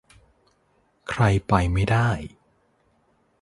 ใครไปไม่ได้